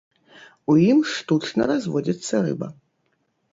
У ім штучна разводзіцца рыба.